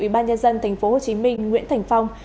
ủy ban nhân dân tp hcm nguyễn thành phong